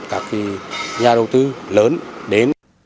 các nhà đầu tư lớn đến